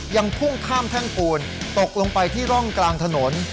ยังพุ่งข้ามแท่งปูนตกลงไปที่ร่องกลางถนน